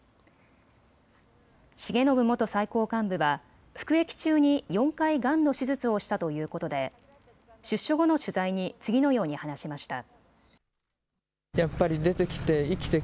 重信元最高幹部は服役中に４回がんの手術をしたということで出所後の取材に次のように話しました。